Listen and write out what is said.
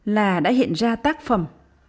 là đã hiện ra tác phẩm